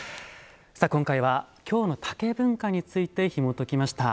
今回は「京の竹文化」についてひもときました。